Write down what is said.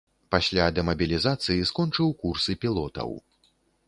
Пасля дэмабілізацыі скончыў курсы пілотаў.